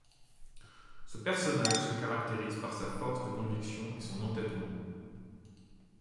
Ce personnage se caractérise par sa force de conviction et son entêtement.